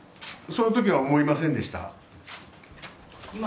そのときは思いませんでした。